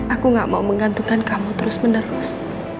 aku gak mau menggantungkan kamu terus menerus